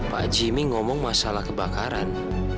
pak jimmy ngomong masalah kebakaran